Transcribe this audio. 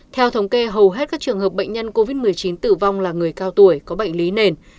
theo thống kê hầu hết các trường hợp bệnh nhân covid một mươi chín tử vong là người cao tuổi có bệnh lý nền